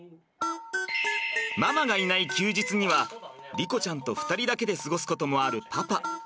ママがいない休日には莉子ちゃんと２人だけで過ごすこともあるパパ。